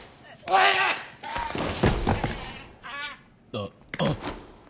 あっあっ！